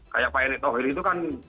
kayak pak erick thohir itu kan